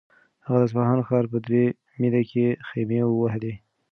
هغه د اصفهان ښار په درې میلۍ کې خیمې ووهلې.